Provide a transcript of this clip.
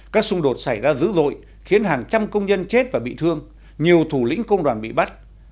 các xung đột xảy ra dữ dội khiến hàng trăm công nhân chết và bị thương nhiều thủ lĩnh công đoàn bị bắt